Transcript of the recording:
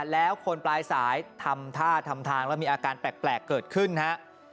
แล้วคนปลายสายทำท่าทำทางแล้วมีอาการแปลกเกิดขึ้นฮะ